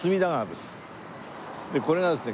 でこれがですね